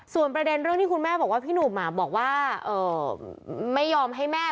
ส่วนประเด็นเรื่องที่คุณแม่บอกว่าพี่หนุ่มบอกว่าไม่ยอมให้แม่